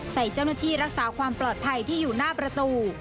ใส่เจ้าหน้าที่รักษาความปลอดภัยที่อยู่หน้าประตู